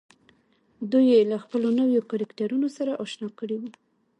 دوی يې له خپلو نويو کرکټرونو سره اشنا کړي دي.